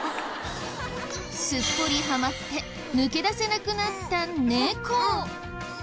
すっぽりハマって抜け出せなくなった猫。